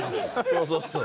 そうそうそう。